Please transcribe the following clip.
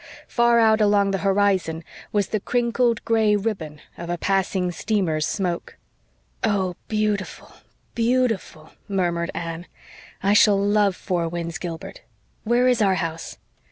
Far out along the horizon was the crinkled gray ribbon of a passing steamer's smoke. "Oh, beautiful, beautiful," murmured Anne. "I shall love Four Winds, Gilbert. Where is our house?"